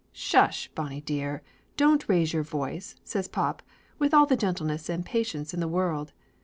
"Sush, Bonnie dear, don't raise your voice," says pop, with all the gentleness and patience in the world.